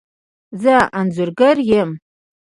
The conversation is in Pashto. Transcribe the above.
زه انځورګر یم